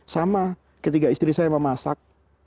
sama ketika istri saya memasak